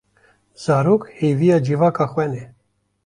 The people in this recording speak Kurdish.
Zarok hêviya civaka xwe ne.